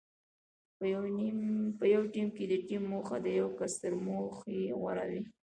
په یو ټیم کې د ټیم موخه د یو کس تر موخې غوره وي.